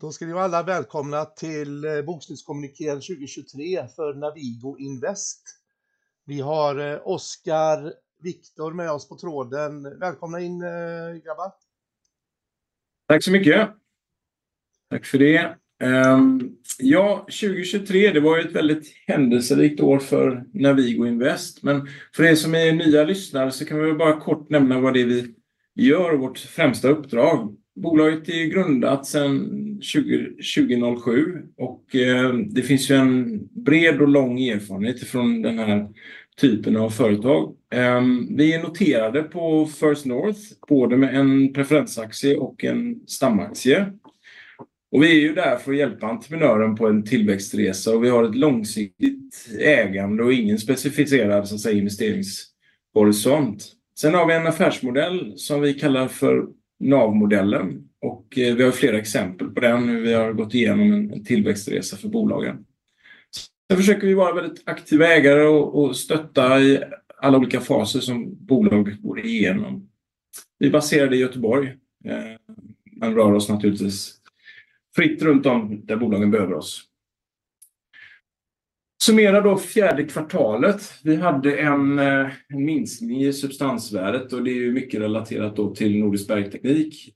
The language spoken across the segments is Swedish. Då ska ni vara alla välkomna till Bokstyrelsekommunikér 2023 för Navigo Invest. Vi har Oscar Viktor med oss på tråden. Välkomna in, grabbar. Tack så mycket. Tack för det. Ja, 2023, det var ju ett väldigt händelserikt år för Navigo Invest. Men för som är nya lyssnare så kan vi väl bara kort nämna vad det är vi gör och vårt främsta uppdrag. Bolaget är grundat sedan 2007, och det finns ju en bred och lång erfarenhet från den här typen av företag. Vi är noterade på First North, både med en preferensaktie och en stamaktie. Vi är ju där för att hjälpa entreprenören på en tillväxtresa, och vi har ett långsiktigt ägande och ingen specificerad, så att säga, investeringshorisont. Sen har vi en affärsmodell som vi kallar för NAV-modellen, och vi har ju flera exempel på den, hur vi har gått igenom en tillväxtresa för bolagen. Sen försöker vi vara väldigt aktiva ägare och stötta i alla olika faser som bolag går igenom. Vi är baserade i Göteborg, men rör oss naturligtvis fritt runt om där bolagen behöver oss. Summerar då fjärde kvartalet: Vi hade en minskning i substansvärdet, och det är mycket relaterat då till Nordisk Bergteknik.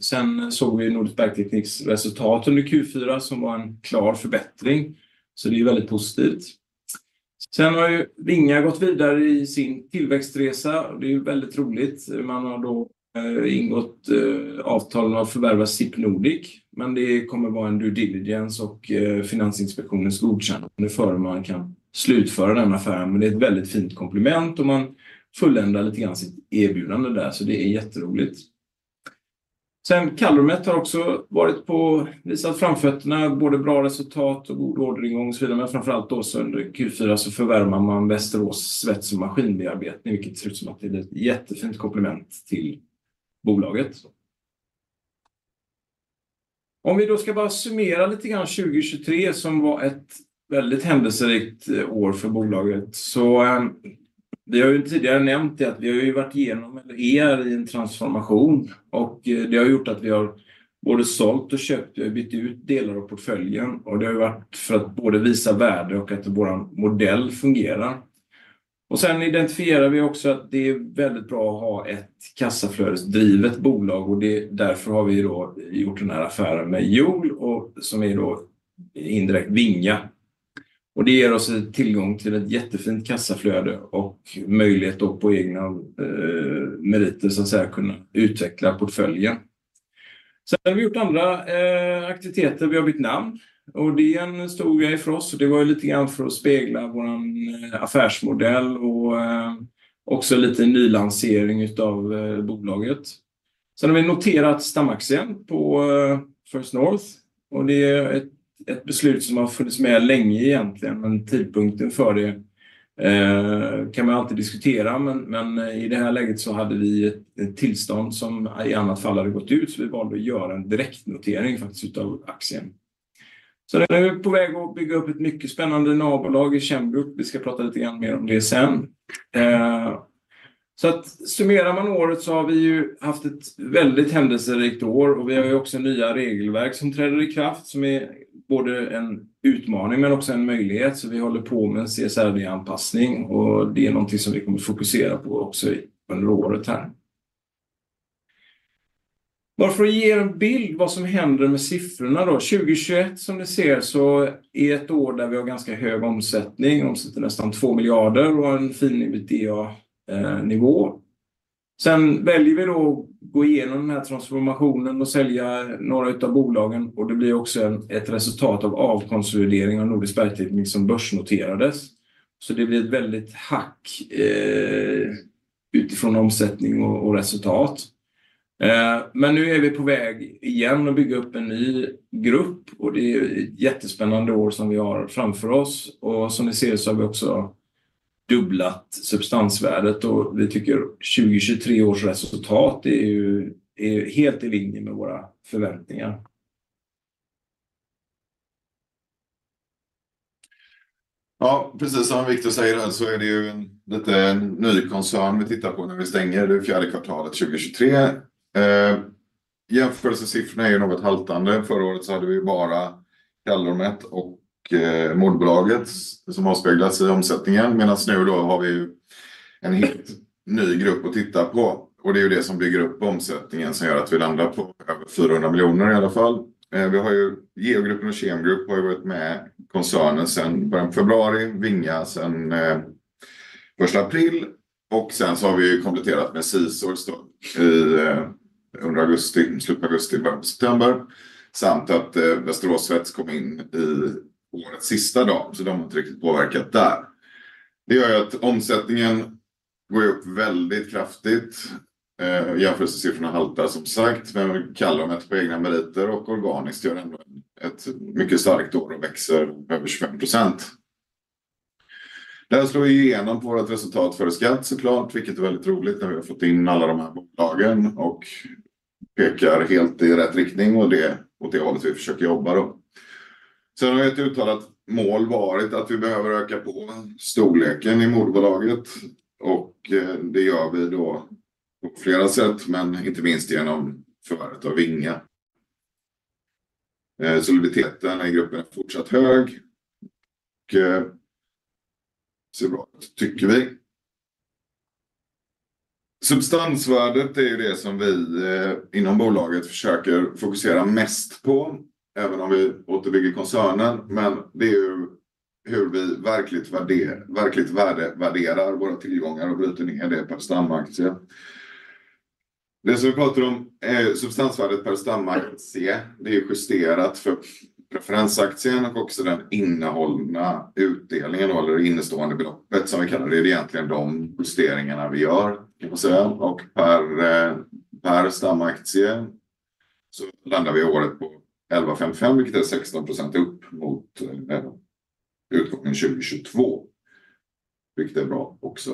Sen såg vi Nordisk Bergtekniks resultat under Q4 som var en klar förbättring, så det är väldigt positivt. Sen har Vinga gått vidare i sin tillväxtresa, och det är väldigt roligt. Man har då ingått avtal med att förvärva SIP Nordic, men det kommer vara en due diligence och Finansinspektionens godkännande före man kan slutföra den affären. Men det är ett väldigt fint komplement om man fulländar lite grann sitt erbjudande där, så det är jätteroligt. Sen har Callumet också varit på och visat framfötterna, både bra resultat och god orderingång och så vidare. Men framför allt då, så under Q4 så förvärvar man Västerås svets- och maskinbearbetning, vilket ser ut som att det är ett jättefint komplement till bolaget. Om vi då ska bara summera lite grann 2023, som var ett väldigt händelserikt år för bolaget, så... Vi har ju tidigare nämnt det att vi har ju varit igenom, eller är i, en transformation, och det har gjort att vi har både sålt och köpt. Vi har ju bytt ut delar av portföljen, och det har ju varit för att både visa värde och att vår modell fungerar. Sen identifierar vi också att det är väldigt bra att ha ett kassaflödesdrivet bolag, och det är därför har vi ju då gjort den här affären med Joel, som är då indirekt Vinga. Det ger oss tillgång till ett jättefint kassaflöde och möjlighet då på egna meriter, så att säga, att kunna utveckla portföljen. Sen har vi gjort andra aktiviteter. Vi har bytt namn, och det är en stor grej för oss, och det var ju lite grann för att spegla vår affärsmodell och också en liten nylansering av bolaget. Sen har vi noterat stamaktien på First North, och det är ett beslut som har funnits med länge egentligen. Men tidpunkten för det kan man ju alltid diskutera, men i det här läget så hade vi ett tillstånd som i annat fall hade gått ut, så vi valde att göra en direktnotering faktiskt av aktien. Sen är vi på väg att bygga upp ett mycket spännande nabolag i Kembruk. Vi ska prata lite grann mer om det sen. Så summerar man året så har vi ju haft ett väldigt händelserikt år, och vi har ju också nya regelverk som träder i kraft, som är både en utmaning men också en möjlighet. Vi håller på med en CSRD-anpassning, och det är något som vi kommer fokusera på också under året här. Bara för att ge en bild vad som händer med siffrorna då: 2021, som ni ser, är ett år där vi har ganska hög omsättning. Vi omsätter nästan 2 miljarder och har en fin EBITDA-nivå. Sen väljer vi då att gå igenom den här transformationen och sälja några av bolagen, och det blir också ett resultat av avkonsolidering av Nordisk Bergteknik som börsnoterades. Det blir ett väldigt hack utifrån omsättning och resultat. Men nu är vi på väg igen att bygga upp en ny grupp, och det är ett jättespännande år som vi har framför oss. Som ni ser har vi också dubblat substansvärdet, och vi tycker 2023 års resultat är helt i linje med våra förväntningar. Ja, precis som Viktor säger här så är det ju en lite ny koncern vi tittar på när vi stänger. Det är fjärde kvartalet 2023. Jämförelsesiffrorna är ju något haltande. Förra året så hade vi ju bara Callumet och moderbolaget som avspeglats i omsättningen, medan nu då har vi ju en helt ny grupp att titta på, och det är ju det som bygger upp omsättningen som gör att vi landar på över 400 miljoner i alla fall. Vi har ju... Geogruppen och Kemgrupp har ju varit med koncernen sedan början på februari, Vinga sedan 1 april, och sen så har vi ju kompletterat med Cisor under augusti, slut augusti, början på september, samt att Västerås Svets kom in i årets sista dag, så de har inte riktigt påverkat där. Det gör ju att omsättningen går ju upp väldigt kraftigt. Jämförelsesiffrorna haltar som sagt, men Callumet på egna meriter och organiskt gör ändå ett mycket starkt år och växer över 25%. Det här slår ju igenom på vårt resultat före skatt såklart, vilket är väldigt roligt när vi har fått in alla de här bolagen och pekar helt i rätt riktning, och det är åt det hållet vi försöker jobba då. Sen har ju ett uttalat mål varit att vi behöver öka på storleken i moderbolaget, och det gör vi då på flera sätt, men inte minst genom förvärvet av Vinga. Soliditeten i gruppen är fortsatt hög och ser bra ut, tycker vi. Substansvärdet är ju det som vi inom bolaget försöker fokusera mest på, även om vi återbygger koncernen, men det är ju hur vi verkligt värdevärderar våra tillgångar och bryter ner det per stamaktie. Det som vi pratar om är ju substansvärdet per stamaktie. Det är ju justerat för preferensaktien och också den innehållna utdelningen då, eller det innestående beloppet som vi kallar. Det är ju egentligen de justeringarna vi gör, kan man säga. Och per stamaktie så landar vi året på 11,55, vilket är 16% upp mot utgången 2022, vilket är bra också.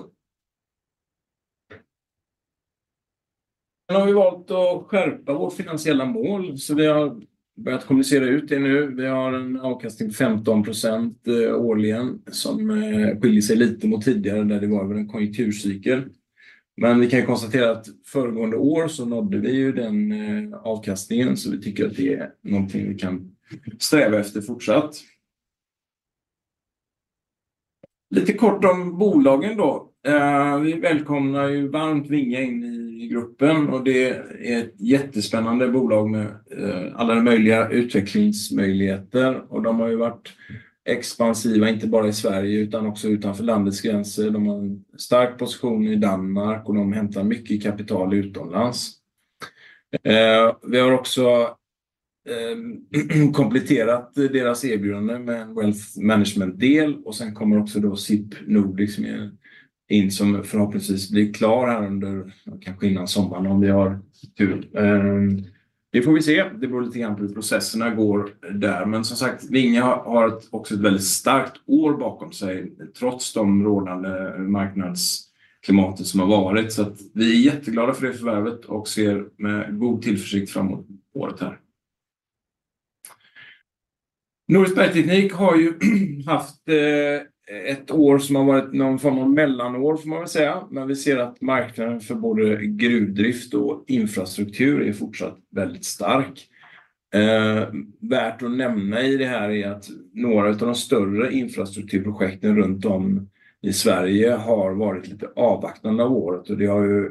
Sen har vi valt att skärpa vårt finansiella mål, så vi har börjat kommunicera ut det nu. Vi har en avkastning på 15% årligen som skiljer sig lite mot tidigare där det var över en konjunkturcykel. Men vi kan konstatera att föregående år så nådde vi den avkastningen, så vi tycker att det är någonting vi kan sträva efter fortsatt. Lite kort om bolagen då. Vi välkomnar varmt Vinga in i gruppen, och det är ett jättespännande bolag med alla möjliga utvecklingsmöjligheter. De har varit expansiva, inte bara i Sverige utan också utanför landets gränser. De har en stark position i Danmark och de hämtar mycket kapital utomlands. Vi har också kompletterat deras erbjudande med en wealth management-del, och sen kommer också SIP Nordic in som förhoppningsvis blir klar här under, kanske innan sommaren om vi har tur. Det får vi se. Det beror lite grann på hur processerna går där. Men som sagt, Vinga har också ett väldigt starkt år bakom sig trots det rådande marknadsklimatet som har varit. Så vi är jätteglada för det förvärvet och ser med god tillförsikt fram mot året här. Nordisk Bergteknik har ju haft ett år som har varit någon form av mellanår, får man väl säga. Men vi ser att marknaden för både gruvdrift och infrastruktur är fortsatt väldigt stark. Värt att nämna i det här är att några av de större infrastrukturprojekten runt om i Sverige har varit lite avvaktande under året, och det har ju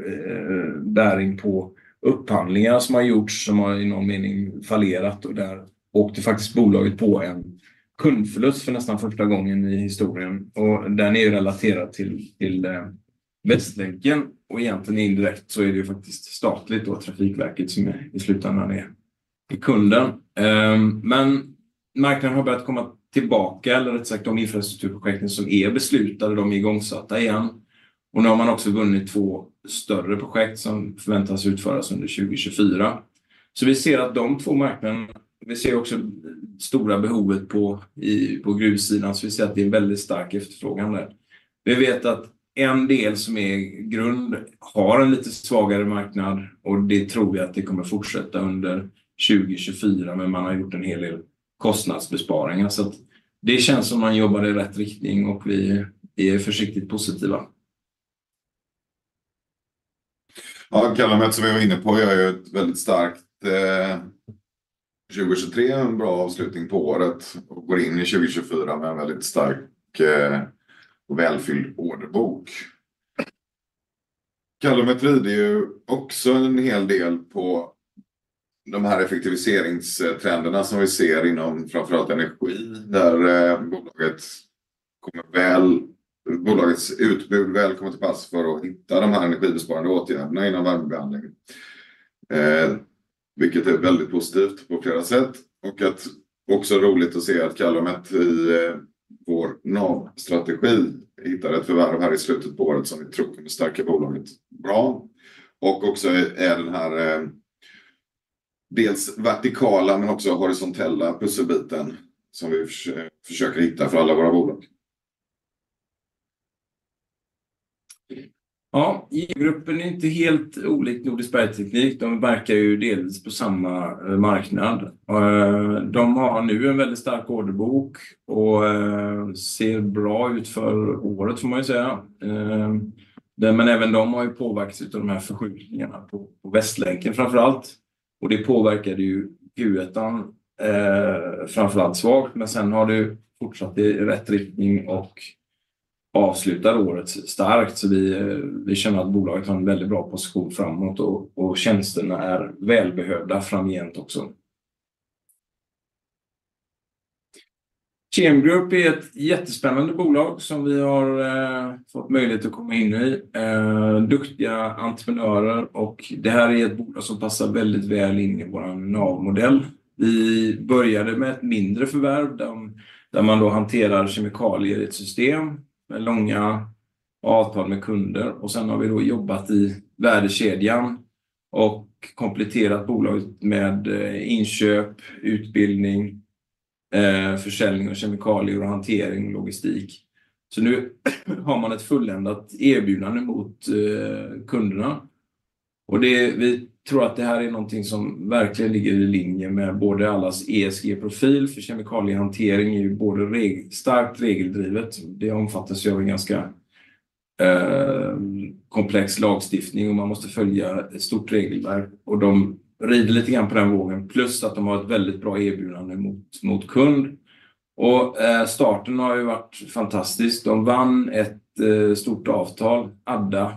bäring på upphandlingar som har gjorts som har i någon mening fallerat. Där åkte faktiskt bolaget på en kundförlust för nästan första gången i historien, och den är ju relaterad till Västlänken. Egentligen indirekt så är det ju faktiskt statligt, då Trafikverket, som i slutändan är kunden. Men marknaden har börjat komma tillbaka, eller rättare sagt de infrastrukturprojekten som är beslutade, de är igångsatta igen. Nu har man också vunnit två större projekt som förväntas utföras under 2024. Så vi ser att de två marknaderna... Vi ser ju också stora behovet på gruvsidan, så vi ser att det är en väldigt stark efterfrågan där. Vi vet att en del som är grund har en lite svagare marknad, och det tror vi att det kommer fortsätta under 2024, men man har gjort en hel del kostnadsbesparingar. Så det känns som att man jobbar i rätt riktning, och vi är försiktigt positiva. Ja, Callumet som vi var inne på gör ju ett väldigt starkt 2023, en bra avslutning på året, och går in i 2024 med en väldigt stark och välfylld orderbok. Callumet rider ju också en hel del på de här effektiviseringstrenderna som vi ser inom framför allt energi, där bolagets utbud väl kommer till pass för att hitta de här energibesparande åtgärderna inom värmebehandling, vilket är väldigt positivt på flera sätt. Det är också roligt att se att Callumet i vår NAV-strategi hittar ett förvärv här i slutet på året som vi tror kommer stärka bolaget bra. Det är också den här dels vertikala men också horisontella pusselbiten som vi försöker hitta för alla våra bolag. Ja, Geogruppen är inte helt olikt Nordisk Bergteknik. De verkar ju delvis på samma marknad. De har nu en väldigt stark orderbok och ser bra ut för året får man ju säga där, men även de har ju påverkats av de här förskjutningarna på Västlänken framför allt, och det påverkade ju Gruvetan framför allt svagt, men sen har det ju fortsatt i rätt riktning och avslutar året starkt. Så vi känner att bolaget har en väldigt bra position framåt och tjänsterna är välbehövda framgent också. Kemgrupp är ett jättespännande bolag som vi har fått möjlighet att komma in i, duktiga entreprenörer, och det här är ett bolag som passar väldigt väl in i vår NAV-modell. Vi började med ett mindre förvärv där man då hanterar kemikalier i ett system med långa avtal med kunder, och sen har vi då jobbat i värdekedjan och kompletterat bolaget med inköp, utbildning, försäljning av kemikalier och hantering och logistik. Så nu har man ett fulländat erbjudande mot kunderna. Vi tror att det här är någonting som verkligen ligger i linje med både allas ESG-profil, för kemikaliehantering är ju både starkt regeldrivet. Det omfattas ju av en ganska komplex lagstiftning och man måste följa ett stort regelverk, och de rider lite grann på den vågen, plus att de har ett väldigt bra erbjudande mot kund. Starten har ju varit fantastisk. De vann ett stort avtal, ADDA,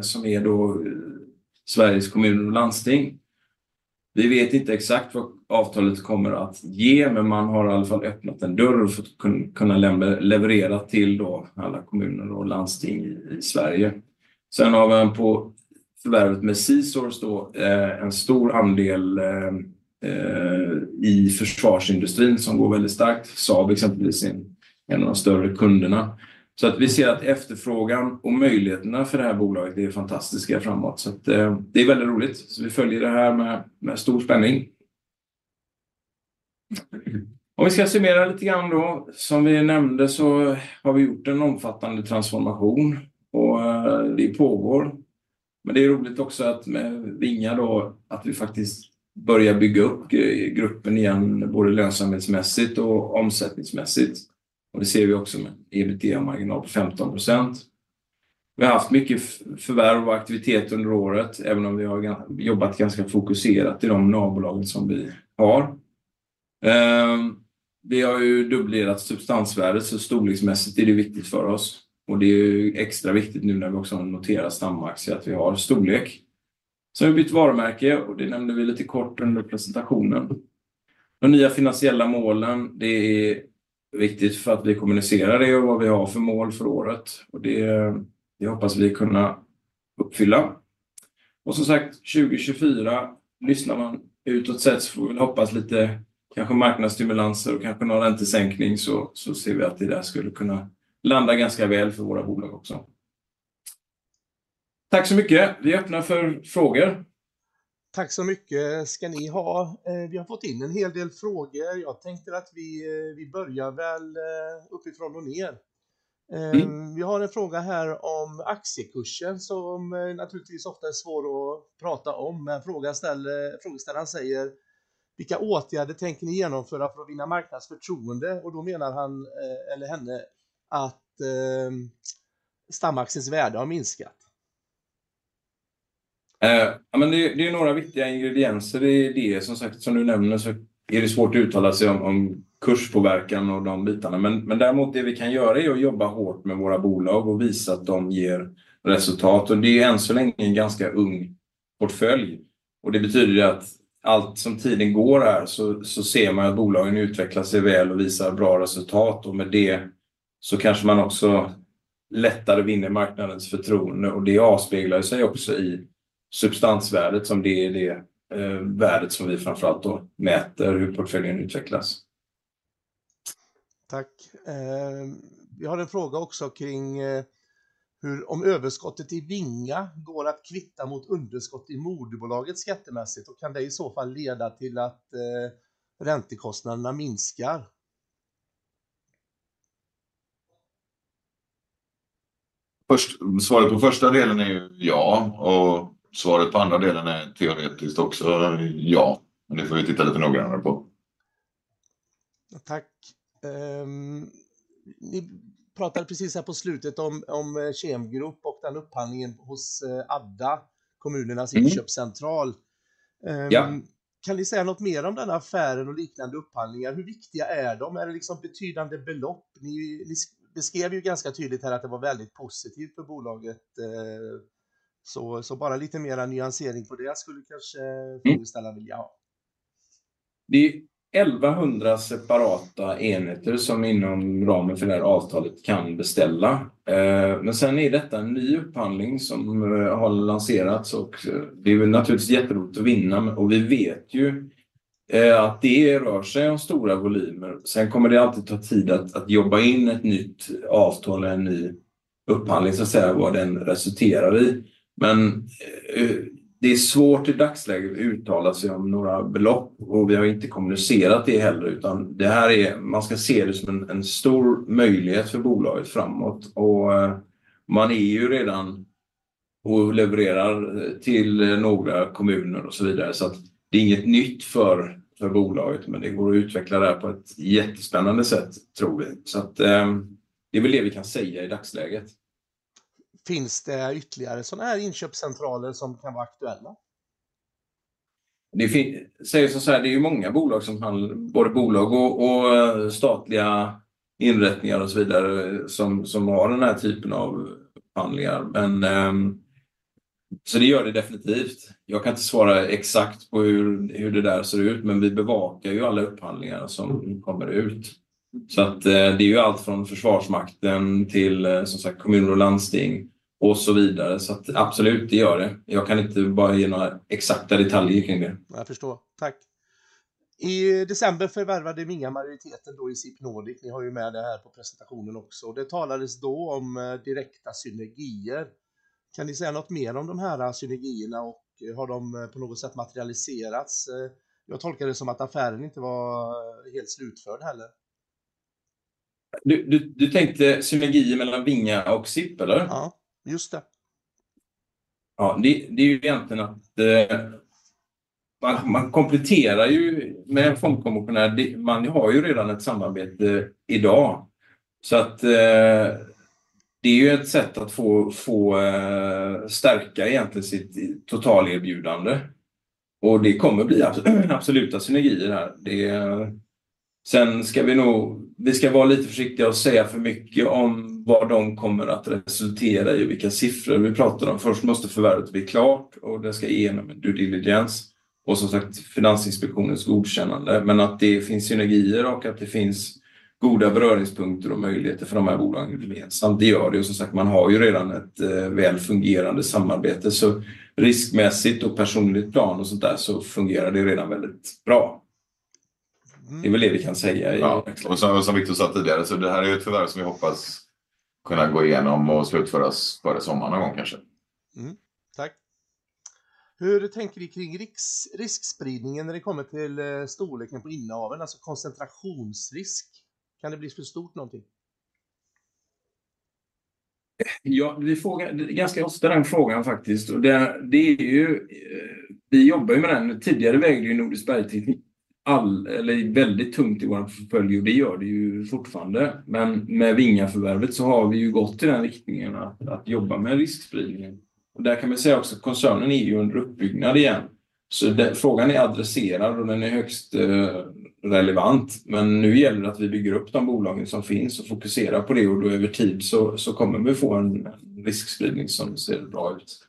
som är då Sveriges kommuner och landsting. Vi vet inte exakt vad avtalet kommer att ge, men man har i alla fall öppnat en dörr och fått kunna leverera till då alla kommuner och landsting i Sverige. Sen har man på förvärvet med Cisor en stor andel i försvarsindustrin som går väldigt starkt. Saab är exempelvis en av de större kunderna. Så vi ser att efterfrågan och möjligheterna för det här bolaget är fantastiska framåt. Så det är väldigt roligt, så vi följer det här med stor spänning. Om vi ska summera lite grann då, som vi nämnde så har vi gjort en omfattande transformation, och det pågår. Men det är roligt också att med Vinga då att vi faktiskt börjar bygga upp gruppen igen, både lönsamhetsmässigt och omsättningsmässigt. Det ser vi också med en EBITDA-marginal på 15%. Vi har haft mycket förvärv och aktivitet under året, även om vi har jobbat ganska fokuserat i de områden som vi har. Vi har ju dubblerat substansvärdet, så storleksmässigt är det ju viktigt för oss, och det är ju extra viktigt nu när vi också har noterat stamaktie att vi har storlek. Sen har vi bytt varumärke, och det nämnde vi lite kort under presentationen. De nya finansiella målen, det är viktigt för att vi kommunicerar det och vad vi har för mål för året, och det hoppas vi kunna uppfylla. Som sagt, 2024 lyssnar man utåt sett så får vi väl hoppas lite kanske marknadsstimulanser och kanske någon räntesänkning, så ser vi att det där skulle kunna landa ganska väl för våra bolag också. Tack så mycket. Vi öppnar för frågor. Tack så mycket ska ni ha. Vi har fått in en hel del frågor. Jag tänkte att vi börjar väl uppifrån och ner. Vi har en fråga här om aktiekursen som naturligtvis ofta är svår att prata om, men frågeställaren säger: "Vilka åtgärder tänker ni genomföra för att vinna marknadsförtroende?" Då menar han eller hon att stamaktiens värde har minskat. Det är ju några viktiga ingredienser. Det är det som sagt, som du nämner, så är det svårt att uttala sig om kurspåverkan och de bitarna. Men däremot, det vi kan göra är att jobba hårt med våra bolag och visa att de ger resultat. Det är än så länge en ganska ung portfölj, och det betyder ju att allt som tiden går här så ser man ju att bolagen utvecklar sig väl och visar bra resultat, och med det så kanske man också lättare vinner marknadens förtroende. Det avspeglar ju sig också i substansvärdet, som det är det värdet som vi framför allt då mäter, hur portföljen utvecklas. Tack. Vi har en fråga också kring hur om överskottet i Vinga går att kvitta mot underskott i moderbolaget skattemässigt, och kan det i så fall leda till att räntekostnaderna minskar? Svaret på första delen är ju ja, och svaret på andra delen är teoretiskt också ja, men det får vi titta lite noggrannare på. Tack. Ni pratade precis här på slutet om Kemgrupp och den upphandlingen hos Adda, kommunernas inköpscentral. Kan ni säga något mer om den affären och liknande upphandlingar? Hur viktiga är de? Är det liksom betydande belopp? Ni beskrev ju ganska tydligt här att det var väldigt positivt för bolaget. Så bara lite mer nyansering på det skulle kanske frågeställaren vilja ha. Det är 1,100 separata enheter som inom ramen för det här avtalet kan beställa. Men sen är detta en ny upphandling som har lanserats, och det är ju naturligtvis jätteroligt att vinna, och vi vet ju att det rör sig om stora volymer. Sen kommer det alltid ta tid att jobba in ett nytt avtal eller en ny upphandling, så att säga, vad den resulterar i. Men det är svårt i dagsläget att uttala sig om några belopp, och vi har inte kommunicerat det heller, utan det här är man ska se det som en stor möjlighet för bolaget framåt. Man är ju redan och levererar till några kommuner och så vidare, så att det är inget nytt för bolaget, men det går att utveckla det här på ett jättespännande sätt, tror vi. Så det är väl det vi kan säga i dagsläget. Finns det ytterligare sådana här inköpscentraler som kan vara aktuella? Det finns, säger som sagt, det är ju många bolag som handlar, både bolag och statliga inrättningar och så vidare, som har den här typen av upphandlingar. Men så det gör det definitivt. Jag kan inte svara exakt på hur det där ser ut, men vi bevakar ju alla upphandlingar som kommer ut. Så det är ju allt från Försvarsmakten till som sagt kommuner och landsting och så vidare. Så absolut, det gör det. Jag kan inte bara ge några exakta detaljer kring det. Jag förstår. Tack. I december förvärvade Vinga majoriteten då i SIP Nordic. Ni har ju med det här på presentationen också. Det talades då om direkta synergier. Kan ni säga något mer om de här synergierna, och har de på något sätt materialiserats? Jag tolkade det som att affären inte var helt slutförd heller. Du tänkte synergier mellan Vinga och SIP, eller? Ja, just det. Ja, det är ju egentligen att man kompletterar ju med en fondkommissionär. Man har ju redan ett samarbete idag, så att det är ju ett sätt att få stärka egentligen sitt totalerbjudande. Det kommer bli absoluta synergier här. Sen ska vi nog, vi ska vara lite försiktiga och säga för mycket om vad de kommer att resultera i och vilka siffror vi pratar om. Först måste förvärvet bli klart, och det ska igenom en due diligence och som sagt Finansinspektionens godkännande. Men att det finns synergier och att det finns goda beröringspunkter och möjligheter för de här bolagen gemensamt, det gör det. Och som sagt, man har ju redan ett väl fungerande samarbete, så riskmässigt och personligt plan och sånt där så fungerar det ju redan väldigt bra. Det är väl det vi kan säga idag. Och som Victor sa tidigare, så det här är ju ett förvärv som vi hoppas kunna gå igenom och slutföras före sommaren någon gång kanske. Tack. Hur tänker ni kring riskspridningen när det kommer till storleken på innehaven, alltså koncentrationsrisk? Kan det bli för stort någonting? Ja, vi frågar ganska ofta den frågan faktiskt. Det är vi jobbar med den. Tidigare vägde Nordisk Bergteknik väldigt tungt i vår portfölj, och det gör det fortfarande. Men med Vinga-förvärvet så har vi gått i den riktningen att jobba med riskspridningen. Där kan man säga också att koncernen är under uppbyggnad igen, så frågan är adresserad och den är högst relevant. Men nu gäller det att vi bygger upp de bolagen som finns och fokuserar på det, och då över tid så kommer vi få en riskspridning som ser bra ut.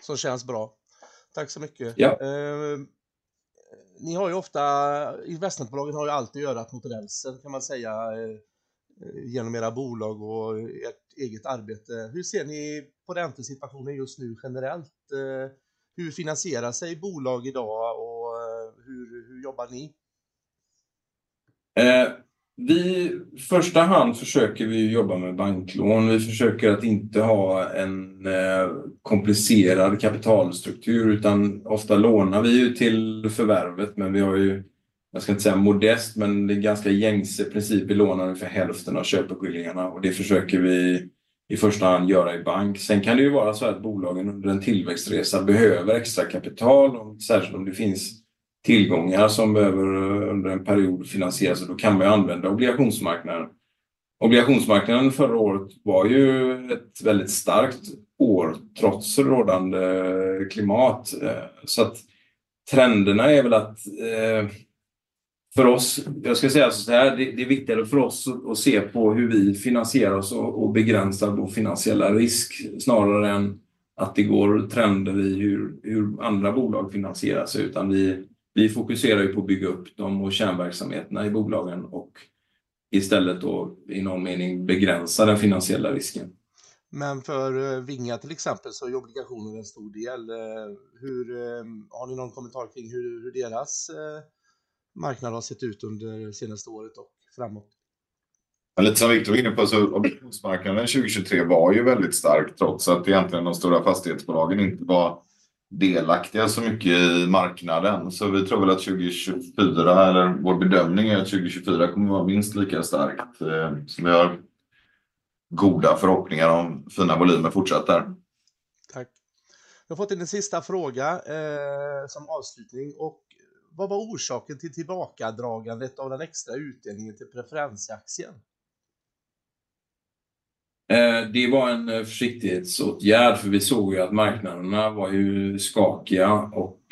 Som känns bra. Tack så mycket. Ni har ju ofta, investmentbolagen har ju alltid att göra mot rälsen, kan man säga, genom era bolag och ert eget arbete. Hur ser ni på räntesituationen just nu generellt? Hur finansierar sig bolag idag och hur jobbar ni? Vi i första hand försöker vi ju jobba med banklån. Vi försöker att inte ha en komplicerad kapitalstruktur, utan ofta lånar vi ju till förvärvet. Men vi har ju, jag ska inte säga modest, men det är en ganska gängse princip att vi lånar ungefär hälften av köpeskillingarna, och det försöker vi i första hand göra i bank. Sen kan det ju vara så här att bolagen under en tillväxtresa behöver extra kapital, särskilt om det finns tillgångar som behöver under en period finansieras, och då kan man ju använda obligationsmarknaden. Obligationsmarknaden förra året var ju ett väldigt starkt år trots rådande klimat. Så trenderna är väl att för oss, jag ska säga så här, det är viktigare för oss att se på hur vi finansierar oss och begränsar vår finansiella risk snarare än att det går trender i hur andra bolag finansierar sig, utan vi fokuserar ju på att bygga upp dem och kärnverksamheterna i bolagen och istället då i någon mening begränsa den finansiella risken. Men för Vinga till exempel så är ju obligationer en stor del. Hur har ni någon kommentar kring hur deras marknad har sett ut under senaste året och framåt? Lite som Victor var inne på, så obligationsmarknaden 2023 var ju väldigt stark trots att egentligen de stora fastighetsbolagen inte var delaktiga så mycket i marknaden. Vi tror väl att 2024, eller vår bedömning är att 2024 kommer vara minst lika starkt som vi har goda förhoppningar om fina volymer fortsatt där. Tack. Vi har fått in en sista fråga som avslutning. Och vad var orsaken till tillbakadragandet av den extra utdelningen till preferensaktien? Det var en försiktighetsåtgärd, för vi såg ju att marknaderna var ju skakiga och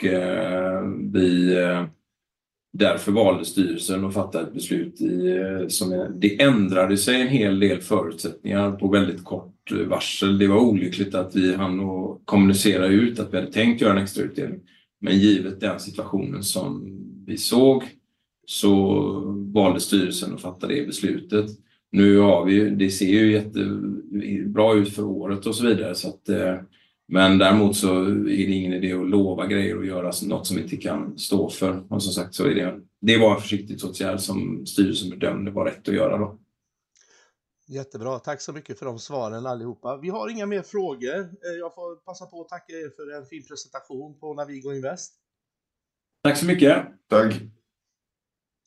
därför valde styrelsen att fatta ett beslut i som är, det ändrade sig en hel del förutsättningar på väldigt kort varsel. Det var olyckligt att vi hann att kommunicera ut att vi hade tänkt göra en extra utdelning. Men givet den situationen som vi såg så valde styrelsen att fatta det beslutet. Nu har vi ju, det ser ju jättebra ut för året och så vidare. Men däremot så är det ingen idé att lova grejer och göra något som vi inte kan stå för. Och som sagt, så är det en, det var en försiktighetsåtgärd som styrelsen bedömde var rätt att göra då. Jättebra. Tack så mycket för de svaren allihopa. Vi har inga fler frågor. Jag får passa på att tacka för en fin presentation på Navigo Invest. Tack så mycket. Hej då.